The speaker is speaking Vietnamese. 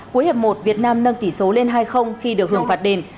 cuối hiệp một việt nam nâng tỷ số lên hai khi được hưởng phạt đền